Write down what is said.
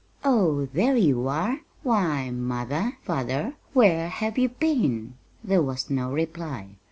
"Oh, there you are! Why, mother, father, where have you been?" There was no reply.